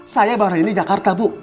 saya baru ini jakarta bu